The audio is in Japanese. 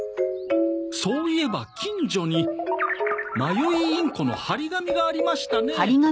そういえば近所に迷いインコの貼り紙がありましたね。